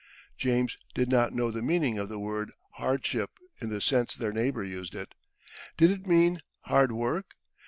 James did not know the meaning of the word "hardship" in the sense their neighbour used it. Did it mean hard work?